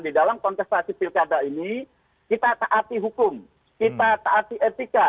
di dalam kontestasi pilkada ini kita taati hukum kita taati etika